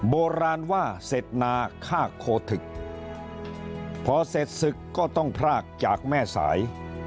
โบราณว่าเสร็จนาฆ่าโคทึกพอเสร็จศึกก็ต้องพรากจากแม่สาย